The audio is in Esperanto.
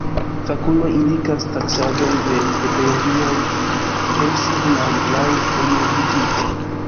Fakuloj indikas taksadon de ekologiaj premsignaj laŭ energitipo.